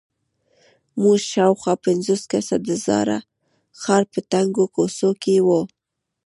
موږ شاوخوا پنځوس کسه د زاړه ښار په تنګو کوڅو کې وو.